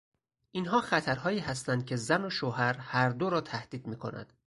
اینها خطرهایی هستند که زن و شوهر هر دو را تهدید میکند.